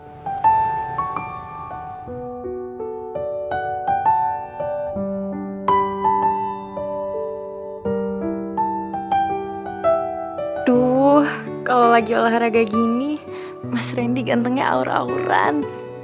aduh kalau lagi olahraga gini mas randy gantengnya aur auran